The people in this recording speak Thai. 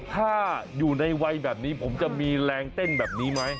ถ้าอยู่ในวัยแบบนี้ผมจะมีแรงเต้นแบบนี้ไหม